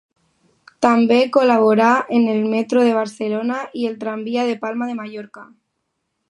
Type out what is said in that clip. També col·laborà en el Metro de Barcelona i el tramvia de Palma de Mallorca.